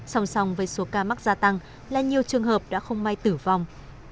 song song với số ca mắc gia tăng là nhiều trường hợp đã không may tử vong